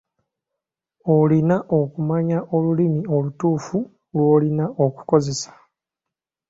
Olina okumanya olulimi olutuufu lw'olina okukozesa.